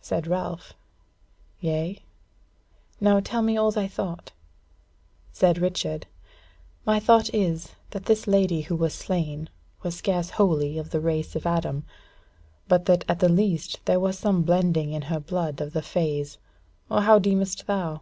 Said Ralph: "Yea? now tell me all thy thought." Said Richard: "My thought is that this lady who was slain, was scarce wholly of the race of Adam; but that at the least there was some blending in her of the blood of the fays. Or how deemest thou?"